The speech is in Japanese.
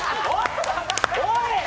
おい！